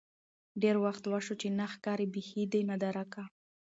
ډېر وخت وشو چې نه ښکارې بيخې ده نادركه.